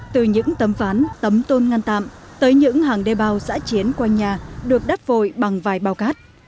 từ những tấm phán tấm tôn ngăn tạm tới những hàng đê bào xã chiến quanh nhà được đắt vội bằng vài bào cát